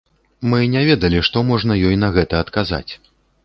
Мы не ведалі, што можна ёй на гэта адказаць.